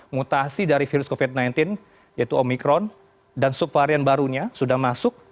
mutasi dari virus covid sembilan belas yaitu omikron dan subvarian barunya sudah masuk